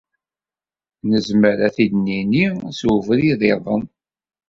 Nezmer ad t-id-nini s ubrid-iḍen?